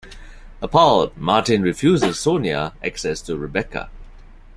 Appalled, Martin refuses Sonia access to Rebecca.